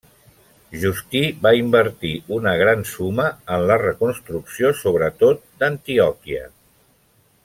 Justí va invertir una gran suma en la reconstrucció sobretot d'Antioquia.